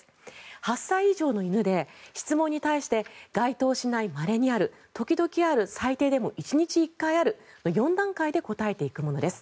８歳以上の犬で、質問に対してまれにある、時々ある最低でも１日１回ある４段階で答えていくものです。